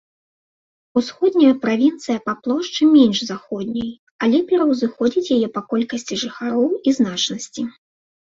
Усходняя правінцыя па плошчы менш заходняй, але пераўзыходзіць яе па колькасці жыхароў і значнасці.